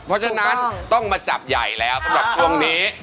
เพราะฉะนั้นต้องมาจับใหญ่แล้วสำหรับช่วงนี้